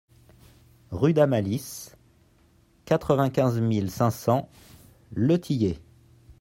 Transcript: Rue Dame Alice, quatre-vingt-quinze mille cinq cents Le Thillay